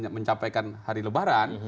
mencapai hari lebaran